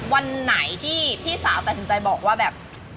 วันไหนที่พี่สาวตัดสินใจบอกว่าแบบ